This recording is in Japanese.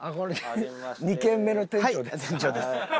２軒目の店長ですか？